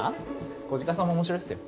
コジカさんも面白いっすよ。